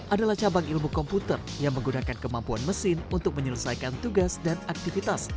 adalah cabang ilmu komputer yang menggunakan kemampuan mesin untuk menyelesaikan tugas dan aktivitas